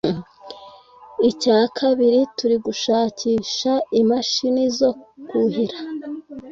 Icya kabiri turi gushakisha imashini zo kuhira